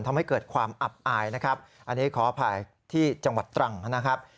ทำให้เกิดความอับอายนะครับอันนี้ขออภัยที่จังหวัดตรังนะครับ